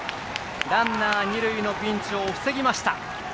ランナー、二塁のピンチを防ぎました。